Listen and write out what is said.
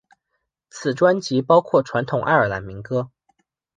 此专辑包括传统爱尔兰民歌。